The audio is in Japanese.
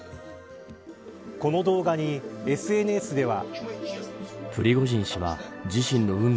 この動画にＳＮＳでは。